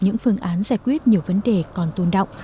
những phương án giải quyết nhiều vấn đề còn tồn động